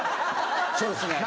そうですね。